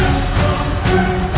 aku tak bisa